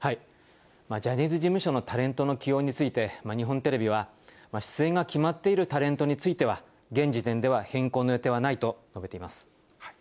ジャニーズ事務所のタレントの起用について、日本テレビは、出演が決まっているタレントについては、現時点では変更の予定はないと述べています。